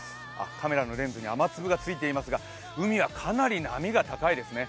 カメラのレンズに雨粒がついていますが、海はかなり波が高いですね。